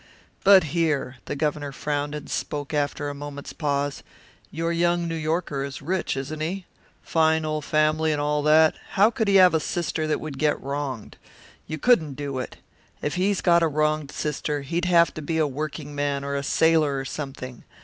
"But here " The Governor frowned and spoke after a moment's pause. "Your young New Yorker is rich, isn't he? Fine old family, and all that, how could he have a sister that would get wronged? You couldn't do it. If he's got a wronged sister, he'd have to be a workingman or a sailor or something.